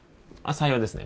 採用ですね